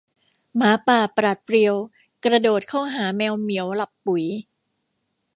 หมาป่าปราดเปรียวกระโดดเข้าหาแมวเหมียวหลับปุ๋ย